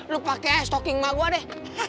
lo pake stoking emak gue deh